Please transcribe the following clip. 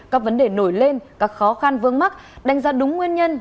các vấn đề nổi lên các khó khăn vương mắc đánh giá đúng nguyên nhân